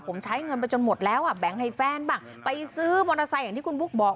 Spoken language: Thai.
ผมใช้เงินไปจนหมดแล้วอ่ะแบงค์ให้แฟนบ้างไปซื้อมอเตอร์ไซค์อย่างที่คุณบุ๊กบอก